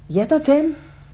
iya toh den